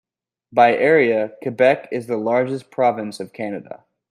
By area, Quebec is the largest province of Canada.